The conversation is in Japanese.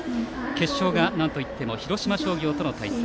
決勝がなんといっても広島商業との対戦。